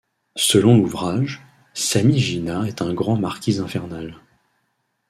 Selon l'ouvrage, Samigina est un grand marquis infernal.